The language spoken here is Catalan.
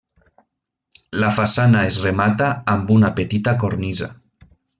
La façana es remata amb una petita cornisa.